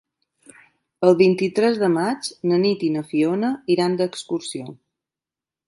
El vint-i-tres de maig na Nit i na Fiona iran d'excursió.